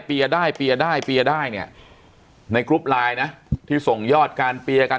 ได้เปียร์ได้เปียร์ได้เนี่ยในกรุ๊ปไลน์นะที่ส่งยอดการเปียร์กัน